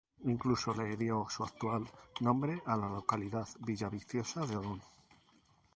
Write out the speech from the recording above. Incluso le dio su actual nombre a la localidad, Villaviciosa de Odón.